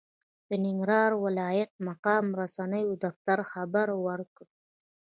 د ننګرهار ولايت مقام رسنیو دفتر خبر ورکړ،